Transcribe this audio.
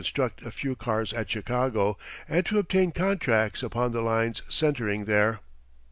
He began to construct a few cars at Chicago and to obtain contracts upon the lines centering there.